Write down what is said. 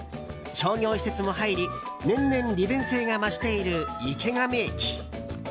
商業施設も入り年々利便性が増している池上駅。